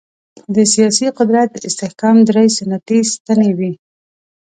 د سیاسي قدرت د استحکام درې سنتي ستنې وې.